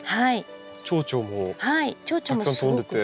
チョウチョウもたくさん飛んでて。